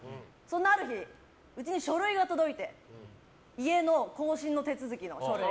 ある日うちに書類が届いて家の更新の手続きの書類。